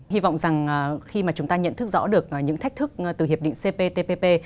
hy vọng rằng khi mà chúng ta nhận thức rõ được những thách thức từ hiệp định cptpp